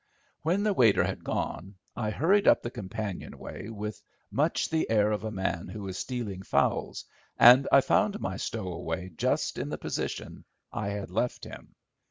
When the waiter had gone I hurried up the companion way with much the air of a man who is stealing fowls, and I found my stowaway just in the position I had left him.